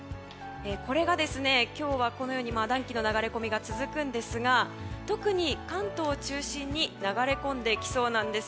今日は暖気の流れ込みが続くんですが特に関東を中心に流れ込んできそうです。